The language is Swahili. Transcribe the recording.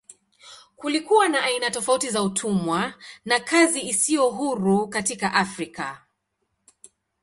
Kulikuwa na aina tofauti za utumwa na kazi isiyo huru katika Afrika.